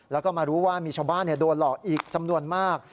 แล้วก็มารู้ว่ามีชาวบ้านโดนหลอกอีกจำนวนมาก